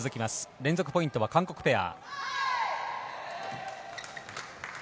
連続ポイントは韓国ペア。